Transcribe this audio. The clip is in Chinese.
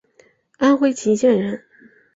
安徽歙县人。